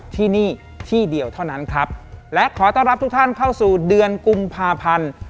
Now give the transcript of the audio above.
ที่นี่ที่เดียวเท่านั้นครับและขอต้อนรับทุกท่านเข้าสู่เดือนกุมภาพันธ์